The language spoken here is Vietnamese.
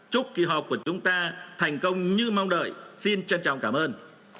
chúc kỳ họp của chúng ta thành công như mong đợi xin trân trọng cảm ơn